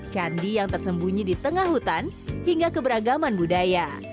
candi yang tersembunyi di tengah hutan hingga keberagaman budaya